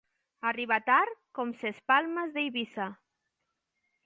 Arribar tard, com ses palmes d'Eivissa.